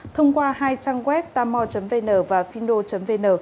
thông qua hai trang web tamo vn và findo vn